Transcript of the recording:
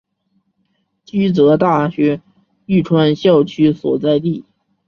驹泽大学玉川校区所在地。